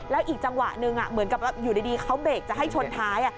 แล้วอีกจังหวะหนึ่งเหมือนกับอยู่ดีเขาเบรกจะให้ชนท้าย